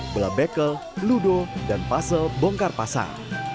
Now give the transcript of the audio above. bela bekel ludo dan pasel bongkar pasar